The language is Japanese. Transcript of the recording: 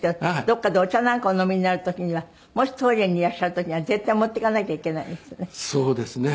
どこかでお茶なんかをお飲みになる時にはもしトイレにいらっしゃる時には絶対持っていかなきゃいけないんですよね？